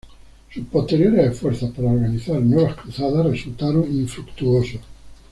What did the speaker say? Sus posteriores esfuerzos para organizar nuevas cruzadas resultaron infructuosos.